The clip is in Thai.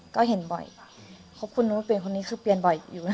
ก็เห็นบ่อยขอบคุณว่าเปลี่ยนคนนี้คือเปลี่ยนบ่อยอยู่นะ